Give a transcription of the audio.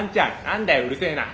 「何だようるせえな」